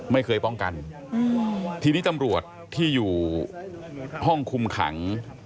ป้องกันทีนี้ตำรวจที่อยู่ห้องคุมขัง